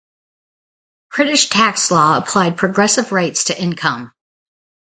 The British tax law applied progressive rates to income.